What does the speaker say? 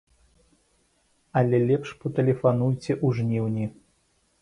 Але лепш патэлефануйце ў жніўні.